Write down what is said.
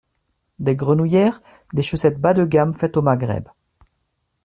Des grenouillères, des chaussettes bas de gamme, faites au Maghreb